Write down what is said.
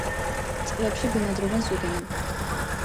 წყლებში ბინადრობენ ზვიგენები.